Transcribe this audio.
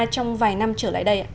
trong vài năm trở lại đây ạ